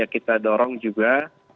kita dorong juga